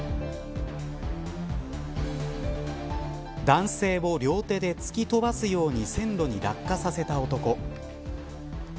男性を両手で突き飛ばすように線路に落下させた男。